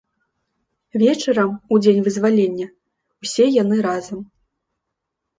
Вечарам, у дзень вызвалення, усе яны разам.